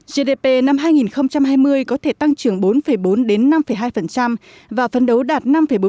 gdp năm hai nghìn hai mươi có thể tăng trưởng bốn bốn đến năm hai và phấn đấu đạt năm bốn